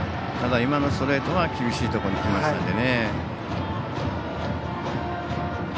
ただ、今のストレート厳しいところに来ました。